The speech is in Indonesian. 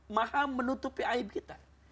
maha menutupi aib kita